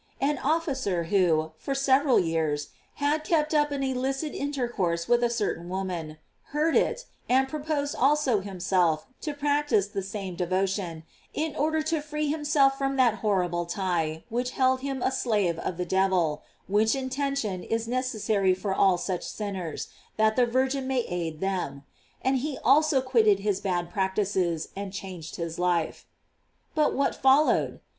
An officer, who, for several years, had kept up an illicit intercourse with a certain woman, heard it, and proposed also himself to practise the same devotion, in order to free him self from that horrible tie which held him a slave of the devil (which intention is necessary for all such sinners, that the Virgin may aid them) : and he also quitted his bad practices and changed his life. 434 GLORIES OF MARY. But what followed?